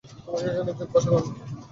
তোমাকে এখানে দেখবো আশা করিনি।